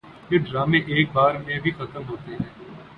یہ ڈرامے ایک بار میں بھی ختم ہوتے ہیں